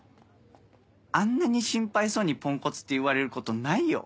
あんなに心配そうに「ポンコツ」って言われることないよ。